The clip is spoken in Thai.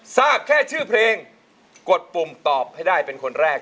ทราบแค่ชื่อเพลงกดปุ่มตอบให้ได้เป็นคนแรก